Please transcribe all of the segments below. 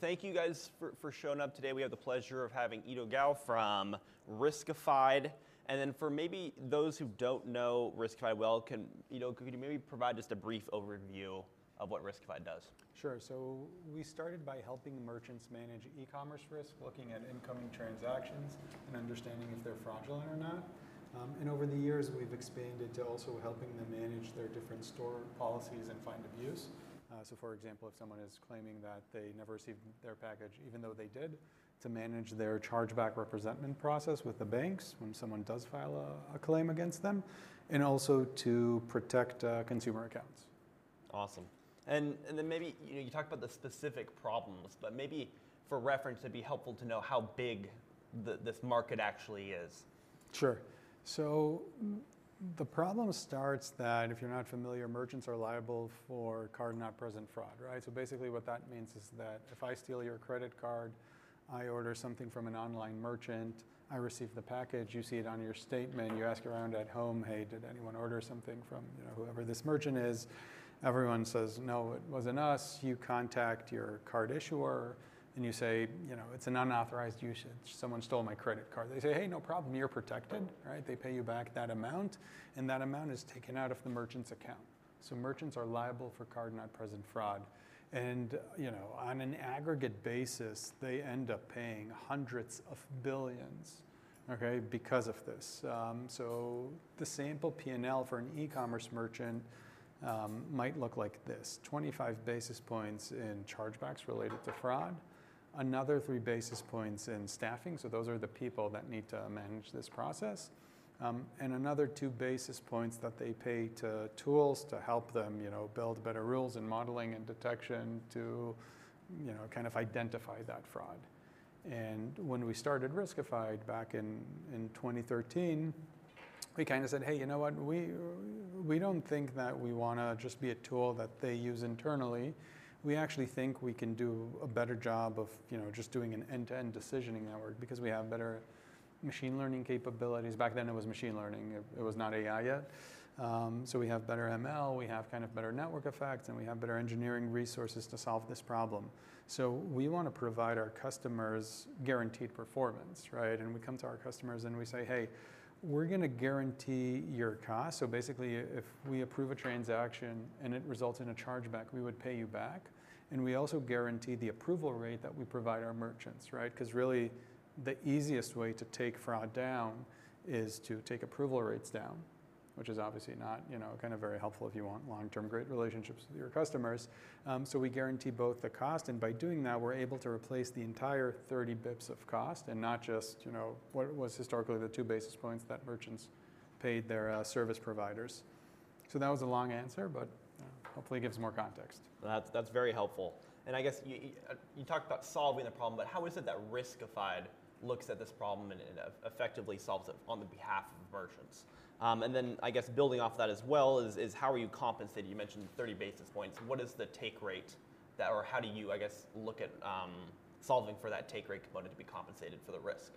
Thank you guys for showing up today. We have the pleasure of having Eido Gal from Riskified. For maybe those who do not know Riskified, can Eido, could you maybe provide just a brief overview of what Riskified does? Sure. We started by helping merchants manage e-commerce risk, looking at incoming transactions and understanding if they're fraudulent or not. Over the years, we've expanded to also helping them manage their different store policies and find abuse. For example, if someone is claiming that they never received their package, even though they did, to manage their chargeback representment process with the banks when someone does file a claim against them, and also to protect consumer accounts. Awesome. Maybe you talk about the specific problems, but maybe for reference, it'd be helpful to know how big this market actually is. Sure. The problem starts that, if you're not familiar, merchants are liable for card-not-present fraud, right? Basically what that means is that if I steal your credit card, I order something from an online merchant, I receive the package, you see it on your statement, you ask around at home, "Hey, did anyone order something from whoever this merchant is?" Everyone says, "No, it wasn't us." You contact your card issuer and you say, "It's an unauthorized usage. Someone stole my credit card." They say, "Hey, no problem. You're protected," right? They pay you back that amount, and that amount is taken out of the merchant's account. Merchants are liable for card-not-present fraud. On an aggregate basis, they end up paying hundreds of billions, okay, because of this. The sample P&L for an e-commerce merchant might look like this: 25 basis points in chargebacks related to fraud, another three basis points in staffing. Those are the people that need to manage this process. Another two basis points that they pay to tools to help them build better rules and modeling and detection to kind of identify that fraud. When we started Riskified back in 2013, we kind of said, "Hey, you know what? We do not think that we want to just be a tool that they use internally. We actually think we can do a better job of just doing an end-to-end decisioning network because we have better machine learning capabilities." Back then, it was machine learning. It was not AI yet. We have better ML, we have kind of better network effects, and we have better engineering resources to solve this problem. We want to provide our customers guaranteed performance, right? We come to our customers and we say, "Hey, we're going to guarantee your cost." Basically, if we approve a transaction and it results in a chargeback, we would pay you back. We also guarantee the approval rate that we provide our merchants, right? Because really, the easiest way to take fraud down is to take approval rates down, which is obviously not kind of very helpful if you want long-term great relationships with your customers. We guarantee both the cost, and by doing that, we're able to replace the entire 30 basis points of cost and not just what was historically the two basis points that merchants paid their service providers. That was a long answer, but hopefully it gives more context. That's very helpful. I guess you talked about solving the problem, but how is it that Riskified looks at this problem and effectively solves it on the behalf of merchants? I guess building off of that as well is how are you compensated? You mentioned 30 basis points. What is the take rate or how do you, I guess, look at solving for that take rate component to be compensated for the risk?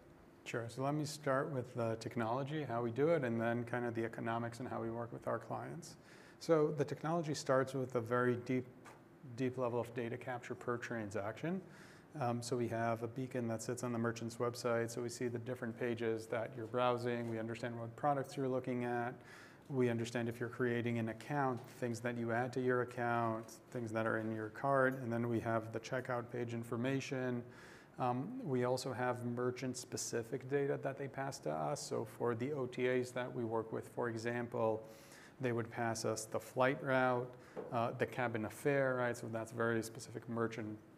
Sure. Let me start with the technology, how we do it, and then kind of the economics and how we work with our clients. The technology starts with a very deep level of data capture per transaction. We have a beacon that sits on the merchant's website. We see the different pages that you're browsing. We understand what products you're looking at. We understand if you're creating an account, things that you add to your account, things that are in your cart. We have the checkout page information. We also have merchant-specific data that they pass to us. For the OTAs that we work with, for example, they would pass us the flight route, the cabin and fare, right? That is very specific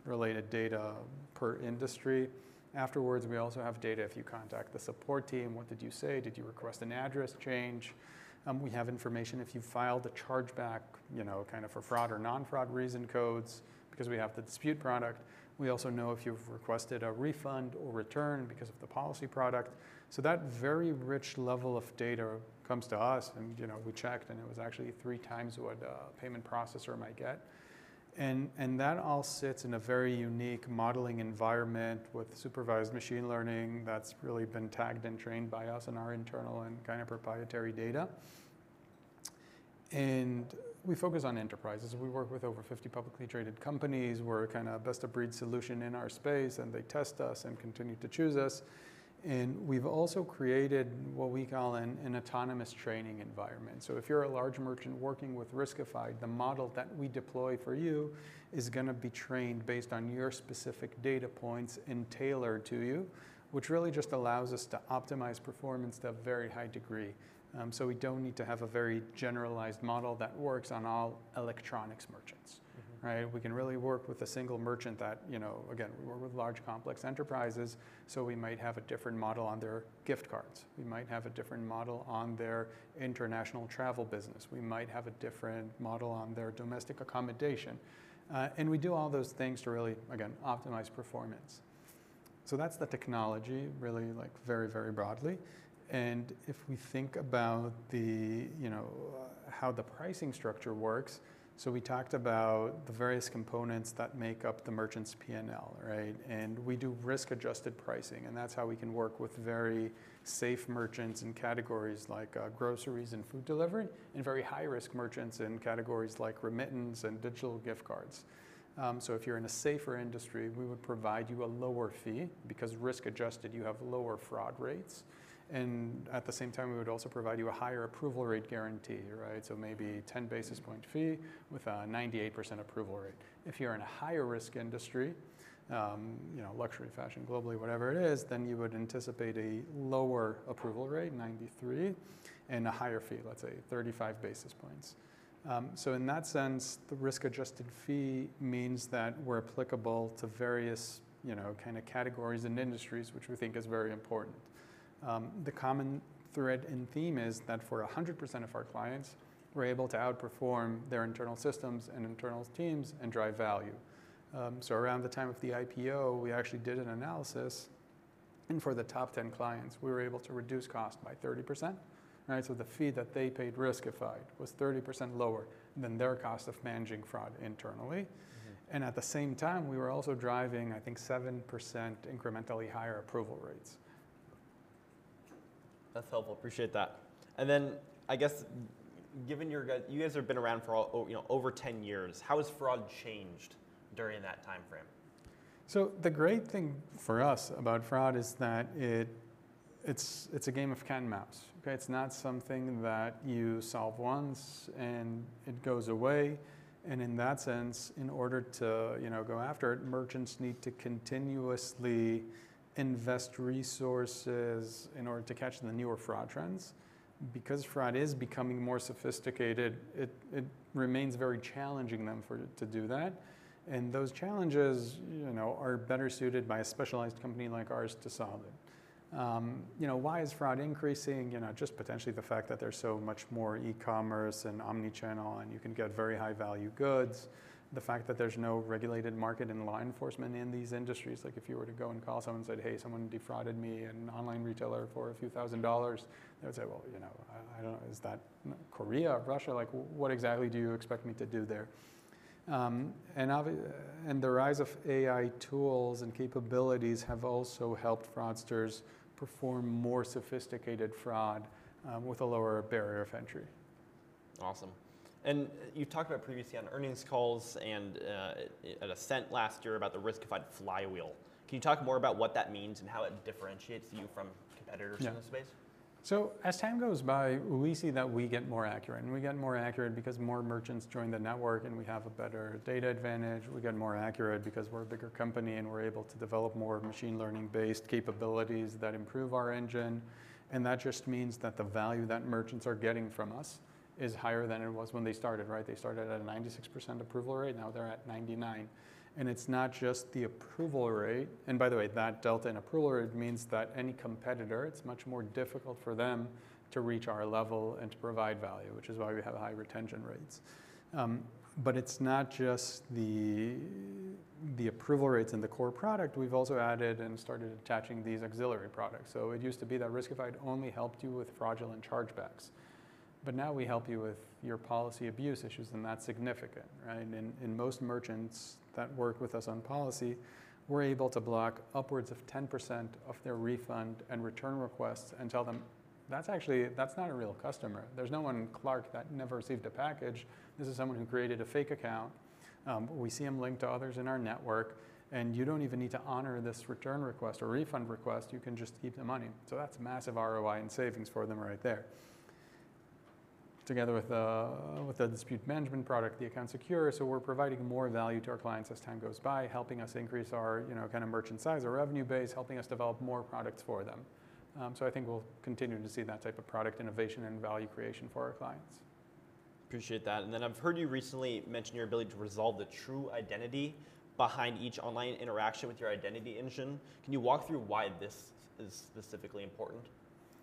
merchant-related data per industry. Afterwards, we also have data if you contact the support team. What did you say? Did you request an address change? We have information if you've filed a chargeback kind of for fraud or non-fraud reason codes because we have the Dispute Product. We also know if you've requested a refund or return because of the Policy Product. That very rich level of data comes to us, and we checked, and it was actually three times what a payment processor might get. That all sits in a very unique modeling environment with supervised machine learning that's really been tagged and trained by us in our internal and kind of proprietary data. We focus on enterprises. We work with over 50 publicly traded companies. We're kind of best-of-breed solution in our space, they test us and continue to choose us. We've also created what we call an autonomous training environment. If you're a large merchant working with Riskified, the model that we deploy for you is going to be trained based on your specific data points and tailored to you, which really just allows us to optimize performance to a very high degree. We don't need to have a very generalized model that works on all electronics merchants, right? We can really work with a single merchant that, again, we work with large complex enterprises, so we might have a different model on their gift cards. We might have a different model on their international travel business. We might have a different model on their domestic accommodation. We do all those things to really, again, optimize performance. That's the technology, really very, very broadly. If we think about how the pricing structure works, we talked about the various components that make up the merchant's P&L, right? We do risk-adjusted pricing, and that's how we can work with very safe merchants in categories like groceries and food delivery and very high-risk merchants in categories like remittance and digital gift cards. If you're in a safer industry, we would provide you a lower fee because risk-adjusted, you have lower fraud rates. At the same time, we would also provide you a higher approval rate guarantee, right? Maybe a 10 basis point fee with a 98% approval rate. If you're in a higher-risk industry, luxury, fashion, globally, whatever it is, then you would anticipate a lower approval rate, 93%, and a higher fee, let's say 35 basis points. In that sense, the risk-adjusted fee means that we're applicable to various kind of categories and industries, which we think is very important. The common thread and theme is that for 100% of our clients, we're able to outperform their internal systems and internal teams and drive value. Around the time of the IPO, we actually did an analysis, and for the top 10 clients, we were able to reduce cost by 30%. The fee that they paid Riskified was 30% lower than their cost of managing fraud internally. At the same time, we were also driving, I think, 7% incrementally higher approval rates. That's helpful. Appreciate that. I guess given you guys have been around for over 10 years, how has fraud changed during that timeframe? The great thing for us about fraud is that it's a game of cat and mouse. It's not something that you solve once and it goes away. In that sense, in order to go after it, merchants need to continuously invest resources in order to catch the newer fraud trends. Because fraud is becoming more sophisticated, it remains very challenging then to do that. Those challenges are better suited by a specialized company like ours to solve it. Why is fraud increasing? Just potentially the fact that there's so much more e-commerce and omnichannel, and you can get very high-value goods. The fact that there's no regulated market and law enforcement in these industries. Like if you were to go and call someone and say, "Hey, someone defrauded me in an online retailer for a few thousand dollars," they would say, "Well, I don't know. Is that Korea or Russia? What exactly do you expect me to do there? The rise of AI tools and capabilities have also helped fraudsters perform more sophisticated fraud with a lower barrier of entry. Awesome. You have talked about previously on earnings calls and at Ascent last year about the Riskified flywheel. Can you talk more about what that means and how it differentiates you from competitors in this space? Yeah. As time goes by, we see that we get more accurate. We get more accurate because more merchants join the network and we have a better data advantage. We get more accurate because we're a bigger company and we're able to develop more machine learning-based capabilities that improve our engine. That just means that the value that merchants are getting from us is higher than it was when they started, right? They started at a 96% approval rate. Now they're at 99%. It's not just the approval rate. By the way, that delta in approval rate means that any competitor, it's much more difficult for them to reach our level and to provide value, which is why we have high retention rates. It's not just the approval rates and the core product. We've also added and started attaching these auxiliary products. It used to be that Riskified only helped you with fraudulent chargebacks, but now we help you with your policy abuse issues, and that's significant, right? Most merchants that work with us on policy, we're able to block upwards of 10% of their refund and return requests and tell them, "That's actually, that's not a real customer. There's no one in Clark that never received a package. This is someone who created a fake account. We see them linked to others in our network, and you don't even need to honor this return request or refund request. You can just keep the money." That's massive ROI and savings for them right there. Together with the dispute management product, the Account Secure, so we're providing more value to our clients as time goes by, helping us increase our kind of merchant size, our revenue base, helping us develop more products for them. I think we'll continue to see that type of product innovation and value creation for our clients. Appreciate that. I've heard you recently mention your ability to resolve the true identity behind each online interaction with your Identity Engine. Can you walk through why this is specifically important?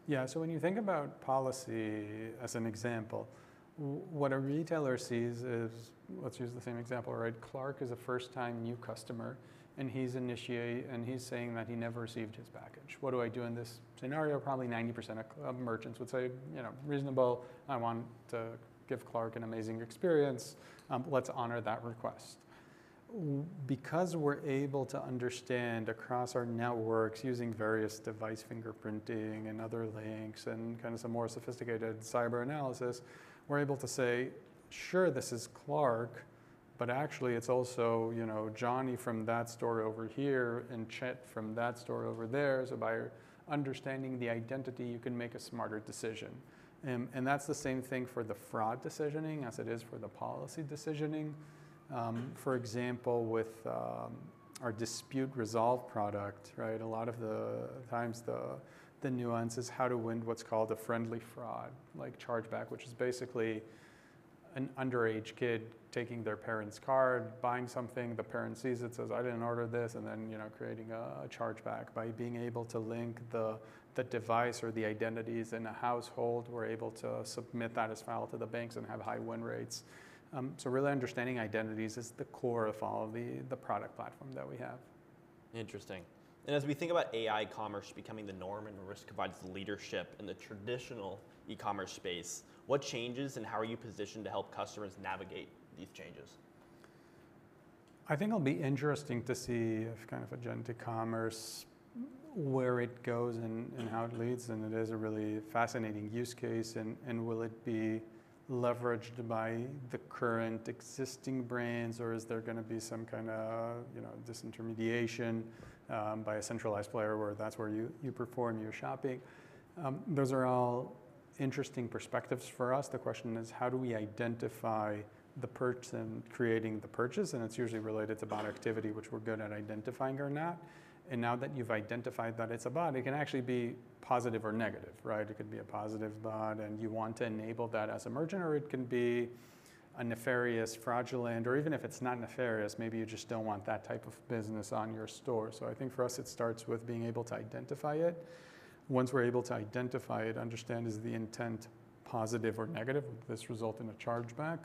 Yeah. So when you think about policy as an example, what a retailer sees is, let's use the same example, right? Clark is a first-time new customer, and he's initiating, and he's saying that he never received his package. What do I do in this scenario? Probably 90% of merchants would say, "Reasonable. I want to give Clark an amazing experience. Let's honor that request." Because we're able to understand across our networks using various device fingerprinting and other links and kind of some more sophisticated cyber analysis, we're able to say, "Sure, this is Clark, but actually it's also Johnny from that store over here and Chett from that store over there." By understanding the identity, you can make a smarter decision. That's the same thing for the fraud decisioning as it is for the policy decisioning. For example, with our Dispute Resolve product, right? A lot of the times the nuance is how to win what's called a friendly fraud, like chargeback, which is basically an underage kid taking their parent's card, buying something. The parent sees it, says, "I didn't order this," and then creating a chargeback. By being able to link the device or the identities in a household, we're able to submit that as file to the banks and have high win rates. Really understanding identities is the core of all the product platform that we have. Interesting. As we think about AI commerce becoming the norm and Riskified's leadership in the traditional e-commerce space, what changes and how are you positioned to help customers navigate these changes? I think it'll be interesting to see if kind of agentic commerce, where it goes and how it leads. It is a really fascinating use case. Will it be leveraged by the current existing brands, or is there going to be some kind of disintermediation by a centralized player where that's where you perform your shopping? Those are all interesting perspectives for us. The question is, how do we identify the person creating the purchase? It's usually related to bot activity, which we're good at identifying or not. Now that you've identified that it's a bot, it can actually be positive or negative, right? It could be a positive bot, and you want to enable that as a merchant, or it can be a nefarious, fraudulent, or even if it's not nefarious, maybe you just don't want that type of business on your store. I think for us, it starts with being able to identify it. Once we're able to identify it, understand is the intent positive or negative? Will this result in a chargeback?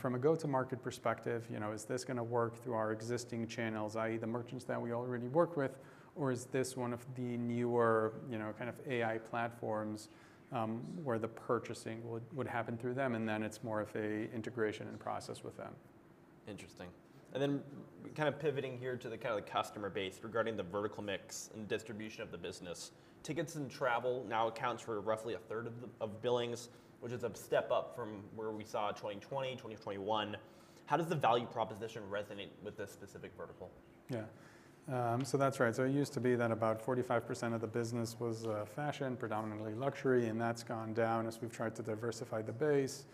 From a go-to-market perspective, is this going to work through our existing channels, i.e., the merchants that we already work with, or is this one of the newer kind of AI platforms where the purchasing would happen through them? It is more of an integration and process with them. Interesting. And then kind of pivoting here to the kind of customer base regarding the vertical mix and distribution of the business. Tickets and travel now accounts for roughly 1/3 of billings, which is a step up from where we saw 2020, 2021. How does the value proposition resonate with this specific vertical? Yeah. So that's right. It used to be that about 45% of the business was fashion, predominantly luxury, and that's gone down as we've tried to diversify the base.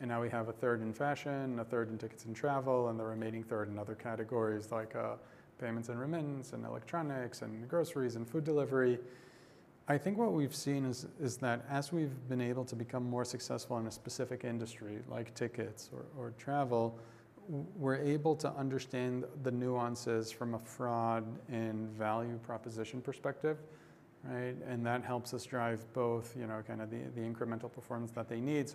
Now we have 1/3 in fashion, 1/3 in tickets and travel, and the remaining 1/3 in other categories like payments and remittance and electronics and groceries and food delivery. I think what we've seen is that as we've been able to become more successful in a specific industry like tickets or travel, we're able to understand the nuances from a fraud and value proposition perspective, right? That helps us drive both kind of the incremental performance that they need.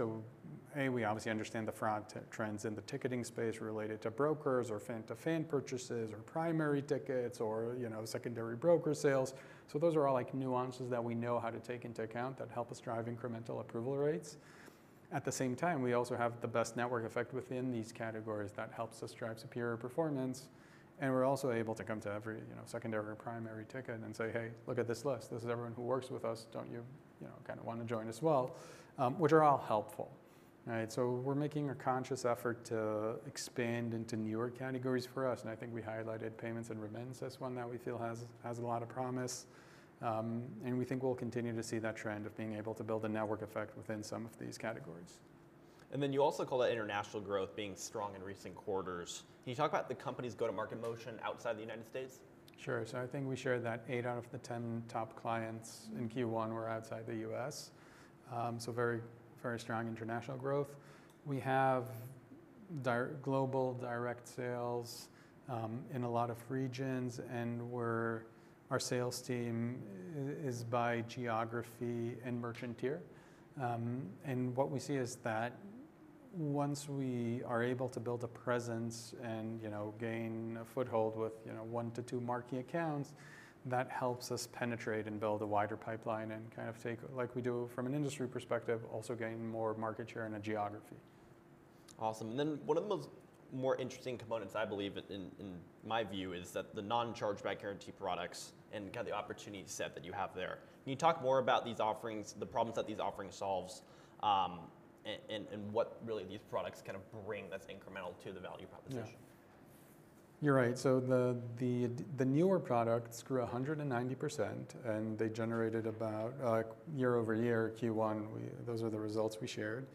A, we obviously understand the fraud trends in the ticketing space related to brokers or fan-to-fan purchases or primary tickets or secondary broker sales. Those are all nuances that we know how to take into account that help us drive incremental approval rates. At the same time, we also have the best network effect within these categories that helps us drive superior performance. We are also able to come to every secondary or primary ticket and say, "Hey, look at this list. This is everyone who works with us. Don't you kind of want to join as well?" Which are all helpful, right? We are making a conscious effort to expand into newer categories for us. I think we highlighted payments and remittance as one that we feel has a lot of promise. We think we will continue to see that trend of being able to build a network effect within some of these categories. You also call that international growth being strong in recent quarters. Can you talk about the company's go-to-market motion outside the United States? Sure. I think we shared that eight out of the 10 top clients in Q1 were outside the U.S. Very, very strong international growth. We have global direct sales in a lot of regions, and our sales team is by geography and merchant tier. What we see is that once we are able to build a presence and gain a foothold with one to two marquee accounts, that helps us penetrate and build a wider pipeline and kind of take, like we do from an industry perspective, also gain more market share in a geography. Awesome. One of the most more interesting components, I believe in my view, is that the non-Chargeback Guarantee products and kind of the opportunity set that you have there. Can you talk more about these offerings, the problems that these offerings solve, and what really these products kind of bring that's incremental to the value proposition? Yeah. You're right. The newer products grew 190%, and they generated about, year over year, Q1, those are the results we shared.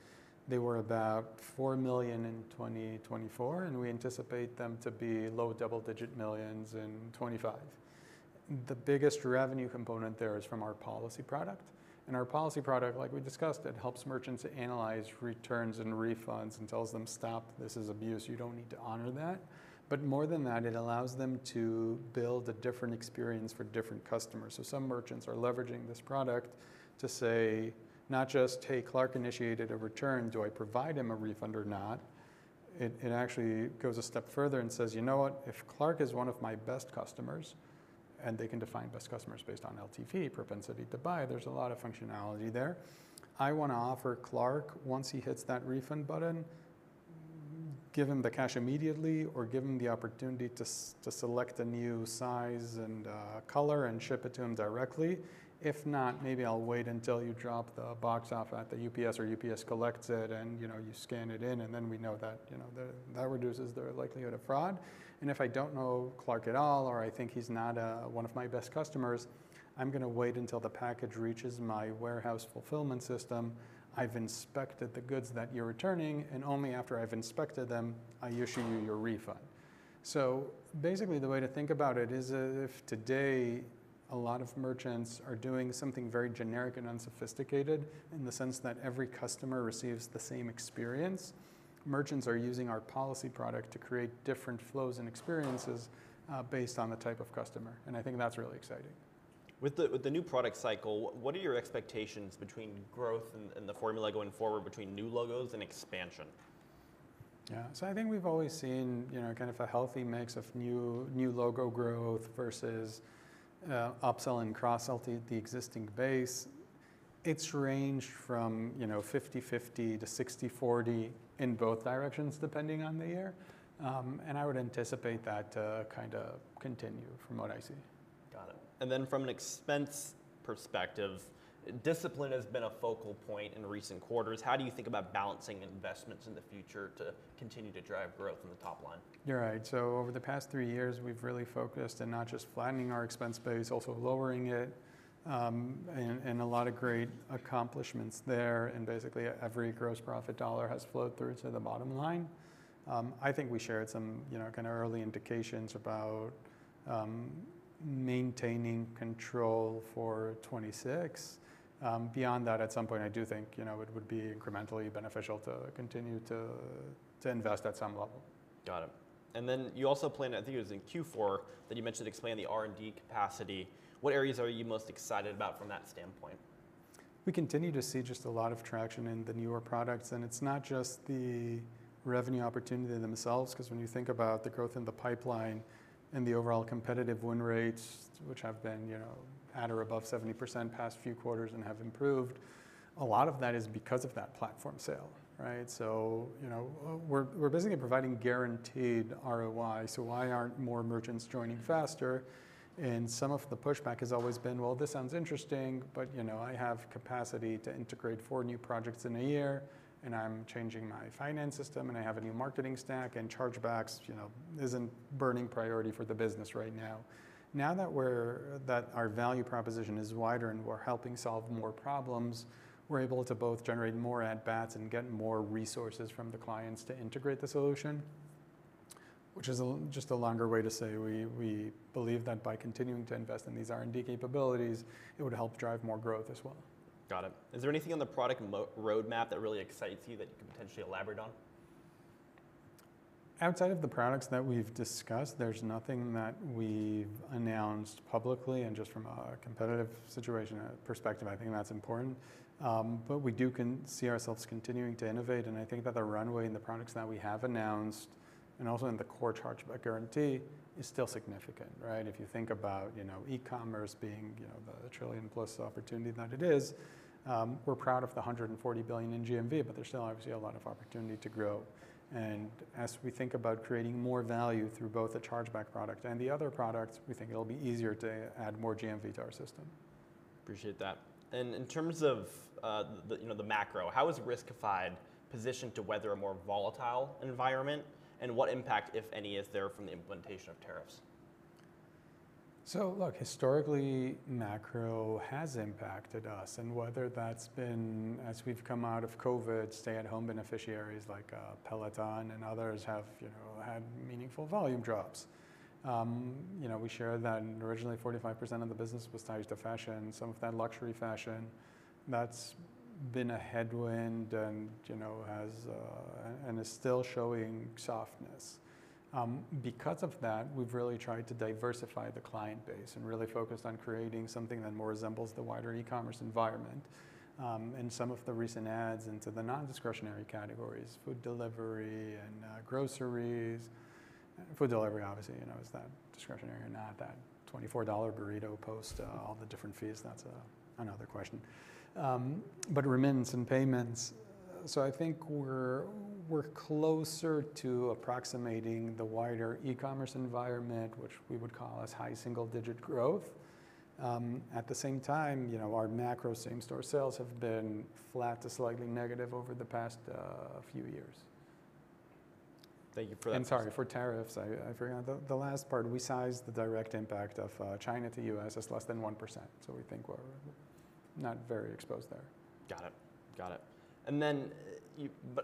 They were about $4 million in 2024, and we anticipate them to be low double-digit millions in 2025. The biggest revenue component there is from our Policy Product. Our Policy Product, like we discussed, helps merchants analyze returns and refunds and tells them, "Stop. This is abuse. You do not need to honor that." More than that, it allows them to build a different experience for different customers. Some merchants are leveraging this product to say, not just, "Hey, Clark initiated a return. Do I provide him a refund or not?" It actually goes a step further and says, "You know what? If Clark is one of my best customers, and they can define best customers based on LTV, propensity to buy, there is a lot of functionality there. I want to offer Clark, once he hits that refund button, give him the cash immediately or give him the opportunity to select a new size and color and ship it to him directly. If not, maybe I will wait until you drop the box off at UPS or UPS collects it and you scan it in, and then we know that reduces their likelihood of fraud. If I do not know Clark at all or I think he is not one of my best customers, I am going to wait until the package reaches my warehouse fulfillment system. I've inspected the goods that you're returning, and only after I've inspected them, I issue you your refund." Basically, the way to think about it is if today a lot of merchants are doing something very generic and unsophisticated in the sense that every customer receives the same experience, merchants are using our Policy Product to create different flows and experiences based on the type of customer. I think that's really exciting. With the new product cycle, what are your expectations between growth and the formula going forward between new logos and expansion? Yeah. I think we've always seen kind of a healthy mix of new logo growth versus upsell and cross-sell to the existing base. It's ranged from 50/50-60/40 in both directions depending on the year. I would anticipate that to kind of continue from what I see. Got it. From an expense perspective, discipline has been a focal point in recent quarters. How do you think about balancing investments in the future to continue to drive growth in the top line? You're right. Over the past three years, we've really focused on not just flattening our expense base, also lowering it, and a lot of great accomplishments there. Basically, every gross profit dollar has flowed through to the bottom line. I think we shared some kind of early indications about maintaining control for 2026. Beyond that, at some point, I do think it would be incrementally beneficial to continue to invest at some level. Got it. You also planned, I think it was in Q4, that you mentioned expanding the R and D capacity. What areas are you most excited about from that standpoint? We continue to see just a lot of traction in the newer products. And it's not just the revenue opportunity themselves, because when you think about the growth in the pipeline and the overall competitive win rates, which have been at or above 70% past few quarters and have improved, a lot of that is because of that platform sale, right? So we're basically providing guaranteed ROI. So why aren't more merchants joining faster? Some of the pushback has always been, "This sounds interesting, but I have capacity to integrate four new projects in a year, and I'm changing my finance system, and I have a new marketing stack, and chargebacks isn't a burning priority for the business right now." Now that our value proposition is wider and we're helping solve more problems, we're able to both generate more ad bats and get more resources from the clients to integrate the solution, which is just a longer way to say we believe that by continuing to invest in these R and D capabilities, it would help drive more growth as well. Got it. Is there anything on the product roadmap that really excites you that you could potentially elaborate on? Outside of the products that we've discussed, there's nothing that we've announced publicly and just from a competitive situation perspective. I think that's important. We do see ourselves continuing to innovate. I think that the runway in the products that we have announced and also in the core Chargeback Guarantee is still significant, right? If you think about e-commerce being the trillion-plus opportunity that it is, we're proud of the $140 billion in GMV, but there's still obviously a lot of opportunity to grow. As we think about creating more value through both the chargeback product and the other products, we think it'll be easier to add more GMV to our system. Appreciate that. In terms of the macro, how is Riskified positioned to weather a more volatile environment? What impact, if any, is there from the implementation of tariffs? Look, historically, macro has impacted us. Whether that has been as we have come out of COVID, stay-at-home beneficiaries like Peloton and others have had meaningful volume drops. We share that originally 45% of the business was tied to fashion, some of that luxury fashion. That has been a headwind and is still showing softness. Because of that, we have really tried to diversify the client base and really focused on creating something that more resembles the wider e-commerce environment. Some of the recent adds into the non-discretionary categories are food delivery and groceries. Food delivery, obviously, is that discretionary or not? That $24 burrito post all the different fees, that is another question. Remittance and payments as well. I think we are closer to approximating the wider e-commerce environment, which we would call as high single-digit growth. At the same time, our macro same-store sales have been flat to slightly negative over the past few years. Thank you for that. Sorry, for tariffs. I forgot the last part. We sized the direct impact of China to U.S. as less than 1%. We think we're not very exposed there. Got it. Got it.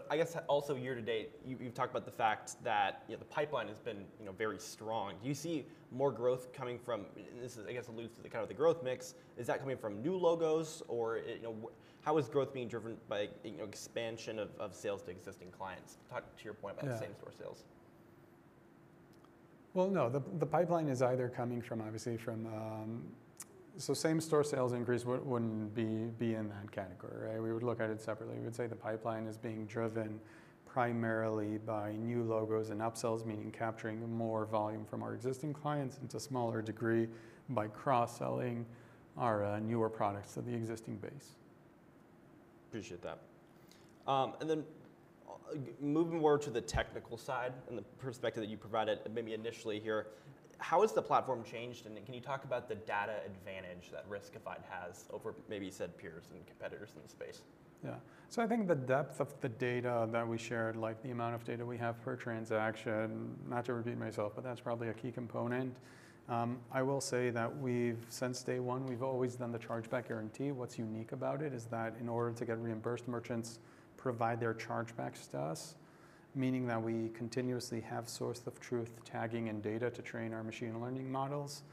I guess also year to date, you've talked about the fact that the pipeline has been very strong. Do you see more growth coming from, and this is, I guess, alludes to kind of the growth mix, is that coming from new logos? Or how is growth being driven by expansion of sales to existing clients? To your point about same-store sales. No, the pipeline is either coming from, obviously, from, so same-store sales increase would not be in that category, right? We would look at it separately. We would say the pipeline is being driven primarily by new logos and upsells, meaning capturing more volume from our existing clients and to a smaller degree by cross-selling our newer products to the existing base. Appreciate that. Moving more to the technical side and the perspective that you provided maybe initially here, how has the platform changed? Can you talk about the data advantage that Riskified has over maybe said peers and competitors in the space? Yeah. I think the depth of the data that we shared, like the amount of data we have per transaction, not to repeat myself, but that's probably a key component. I will say that since day one, we've always done the Chargeback Guarantee. What's unique about it is that in order to get reimbursed, merchants provide their chargebacks to us, meaning that we continuously have source of truth tagging and data to train our machine learning models.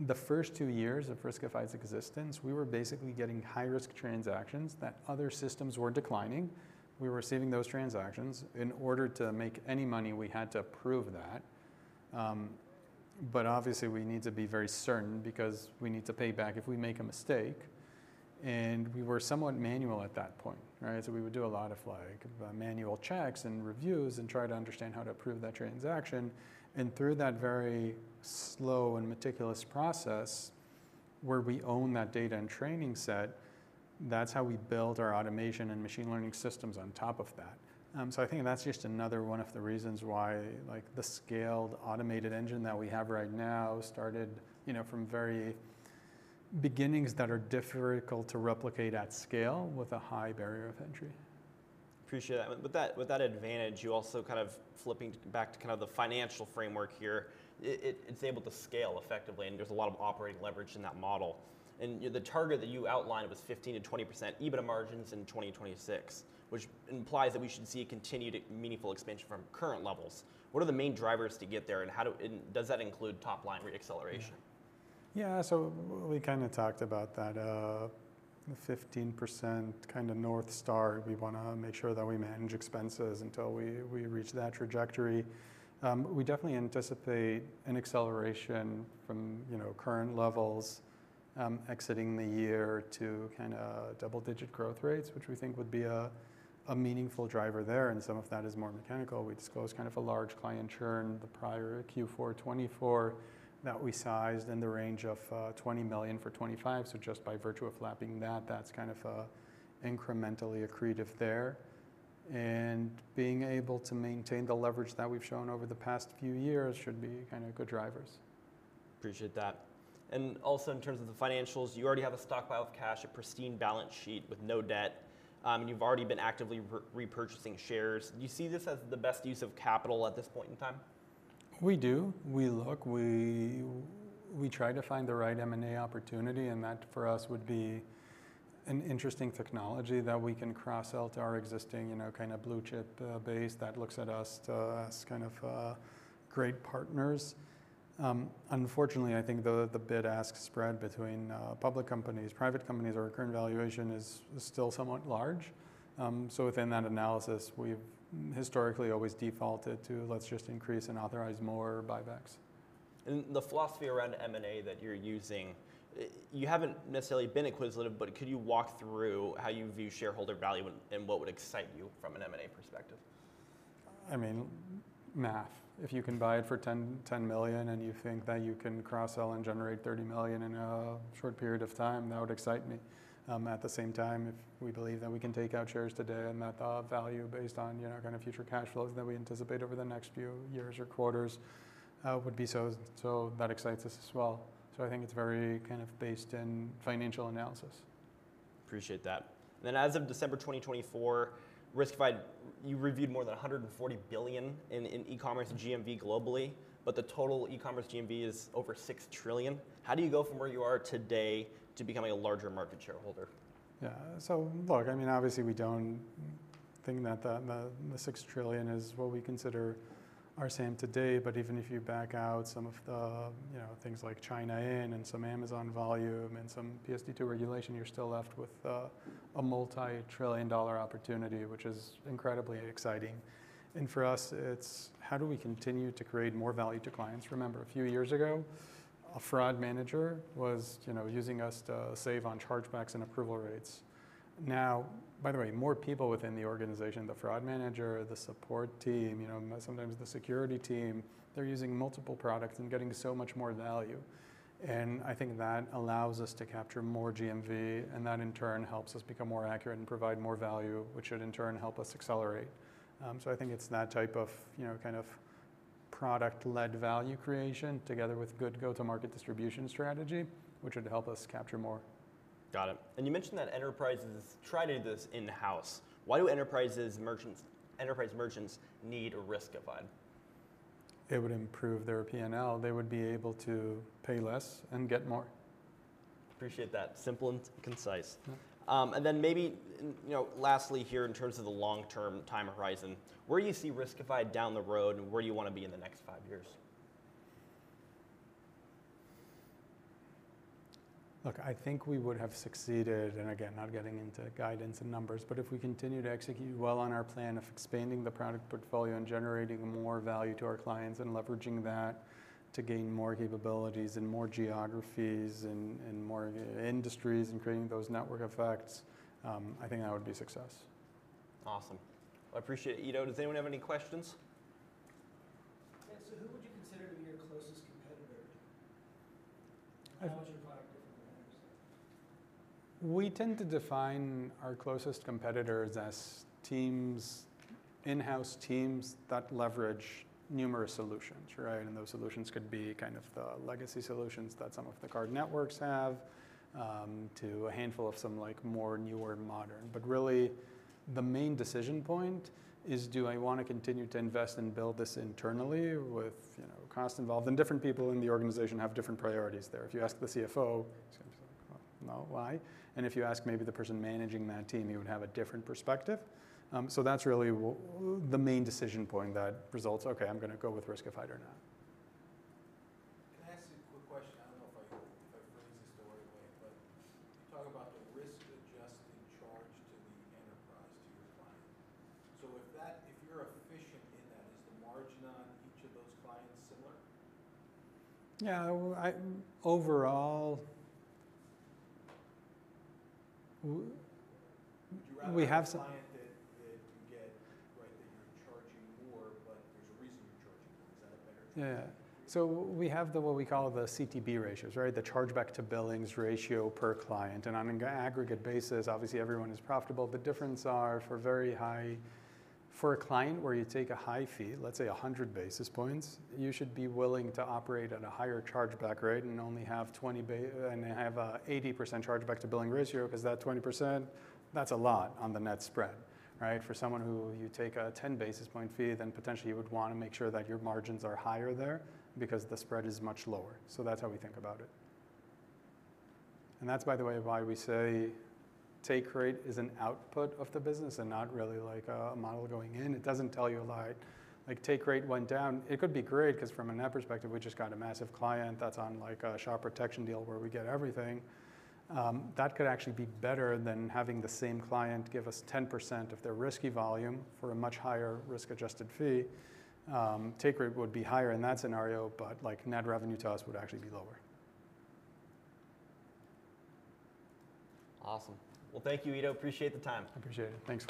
The first two years of Riskified's existence, we were basically getting high-risk transactions that other systems were declining. We were receiving those transactions in order to make any money. We had to approve that. Obviously, we need to be very certain because we need to pay back if we make a mistake. We were somewhat manual at that point, right? We would do a lot of manual checks and reviews and try to understand how to approve that transaction. Through that very slow and meticulous process where we own that data and training set, that's how we build our automation and machine learning systems on top of that. I think that's just another one of the reasons why the scaled automated engine that we have right now started from very beginnings that are difficult to replicate at scale with a high barrier of entry. Appreciate that. With that advantage, you also kind of flipping back to kind of the financial framework here, it is able to scale effectively, and there is a lot of operating leverage in that model. The target that you outlined was 15%-20% EBITDA margins in 2026, which implies that we should see a continued meaningful expansion from current levels. What are the main drivers to get there, and does that include top-line reacceleration? Yeah. We kind of talked about that 15% kind of north star. We want to make sure that we manage expenses until we reach that trajectory. We definitely anticipate an acceleration from current levels exiting the year to kind of double-digit growth rates, which we think would be a meaningful driver there. Some of that is more mechanical. We disclosed kind of a large client churn the prior Q4 2024 that we sized in the range of $20 million for 2025. Just by virtue of flapping that, that's kind of incrementally accretive there. Being able to maintain the leverage that we've shown over the past few years should be kind of good drivers. Appreciate that. Also in terms of the financials, you already have a stockpile of cash, a pristine balance sheet with no debt, and you've already been actively repurchasing shares. Do you see this as the best use of capital at this point in time? We do. We look. We try to find the right M&A opportunity, and that for us would be an interesting technology that we can cross-sell to our existing kind of blue chip base that looks at us as kind of great partners. Unfortunately, I think the bid-ask spread between public companies, private companies, or current valuation is still somewhat large. Within that analysis, we have historically always defaulted to let's just increase and authorize more buybacks. The philosophy around M&A that you're using, you haven't necessarily been inquisitive, but could you walk through how you view shareholder value and what would excite you from an M&A perspective? I mean, math. If you can buy it for $10 million and you think that you can cross-sell and generate $30 million in a short period of time, that would excite me. At the same time, if we believe that we can take out shares today and that the value based on kind of future cash flows that we anticipate over the next few years or quarters would be so, so that excites us as well. I think it's very kind of based in financial analysis. Appreciate that. As of December 2024, Riskified, you reviewed more than $140 billion in e-commerce and GMV globally, but the total e-commerce GMV is over $6 trillion. How do you go from where you are today to becoming a larger market shareholder? Yeah. Look, I mean, obviously, we do not think that the $6 trillion is what we consider our SAM today. Even if you back out some of the things like China in and some Amazon volume and some PSD2 regulation, you are still left with a multi-trillion dollar opportunity, which is incredibly exciting. For us, it is how do we continue to create more value to clients? Remember, a few years ago, a fraud manager was using us to save on chargebacks and approval rates. Now, by the way, more people within the organization, the fraud manager, the support team, sometimes the security team, they are using multiple products and getting so much more value. I think that allows us to capture more GMV, and that in turn helps us become more accurate and provide more value, which should in turn help us accelerate. I think it's that type of kind of product-led value creation together with good go-to-market distribution strategy, which would help us capture more. Got it. You mentioned that enterprises try to do this in-house. Why do enterprise merchants need Riskified? It would improve their P&L. They would be able to pay less and get more. Appreciate that. Simple and concise. Maybe lastly here, in terms of the long-term time horizon, where do you see Riskified down the road and where do you want to be in the next five years? Look, I think we would have succeeded, and again, not getting into guidance and numbers, but if we continue to execute well on our plan of expanding the product portfolio and generating more value to our clients and leveraging that to gain more capabilities and more geographies and more industries and creating those network effects, I think that would be success. Awesome. I appreciate it. Eido, does anyone have any questions? Yeah. So who would you consider to be your closest competitor? How is your product different from others? We tend to define our closest competitors as in-house teams that leverage numerous solutions, right? Those solutions could be kind of the legacy solutions that some of the card networks have to a handful of some more newer and modern. Really, the main decision point is, do I want to continue to invest and build this internally with cost involved? Different people in the organization have different priorities there. If you ask the CFO, he's going to be like, "Well, no, why?" If you ask maybe the person managing that team, he would have a different perspective. That is really the main decision point that results, "Okay, I'm going to go with Riskified or not. Can I ask a quick question? I don't know if I've laid this story way, but you talk about the risk-adjusted charge to the enterprise to your client. So if you're efficient in that, is the margin on each of those clients similar? Yeah. Overall. Would you rather have a client that you get, right, that you're charging more, but there's a reason you're charging more? Is that a better term? Yeah. So we have what we call the CTB ratios, right? The chargeback to billings ratio per client. On an aggregate basis, obviously, everyone is profitable. The difference are for very high, for a client where you take a high fee, let's say 100 basis points, you should be willing to operate at a higher chargeback rate and only have 20 and have an 80% chargeback to billing ratio because that 20%, that's a lot on the net spread, right? For someone who you take a 10 basis point fee, then potentially you would want to make sure that your margins are higher there because the spread is much lower. That's how we think about it. By the way, that's why we say take rate is an output of the business and not really like a model going in. It does not tell you a lot. Like take rate went down, it could be great because from a net perspective, we just got a massive client that's on like a shop protection deal where we get everything. That could actually be better than having the same client give us 10% of their risky volume for a much higher risk-adjusted fee. Take rate would be higher in that scenario, but net revenue to us would actually be lower. Awesome. Thank you, Eido. Appreciate the time. Appreciate it. Thanks.